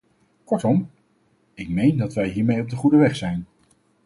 Kortom, ik meen dat wij hiermee op de goede weg zijn.